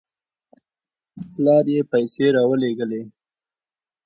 پلار یې پیسې راولېږلې.